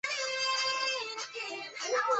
相互的猜疑导致离婚。